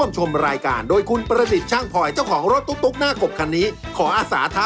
ประมาณ๑๙คนคิดว่าแบบรวมรวมแบบบนหลังคาด้วยนะ